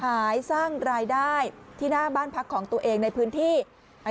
ขายสร้างรายได้ที่หน้าบ้านพักของตัวเองในพื้นที่